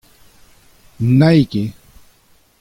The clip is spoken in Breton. Annaig eo .